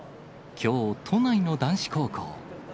きょう、都内の男子高校。